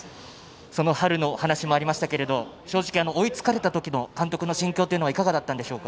その春の話もありましたけども正直、追いつかれたときの監督の心境というのはいかがだったんでしょうか？